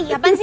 ih apaan sih